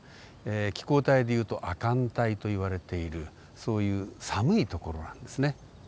気候帯でいうと亜寒帯といわれているそういう寒い所なんですね。